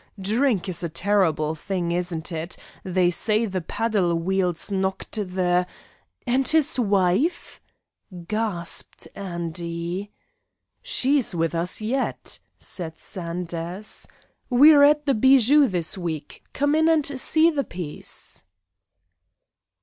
Drink is a terrible thing, isn't it? They say the paddle wheels knocked the " "And his wife?" gasped Andy. "She's with us yet," said Sanders. "We're at the Bijou this week. Come in and see the piece."